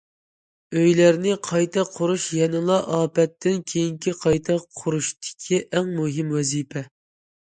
ئۆيلەرنى قايتا قۇرۇش يەنىلا ئاپەتتىن كېيىنكى قايتا قۇرۇشتىكى ئەڭ مۇھىم ۋەزىپە.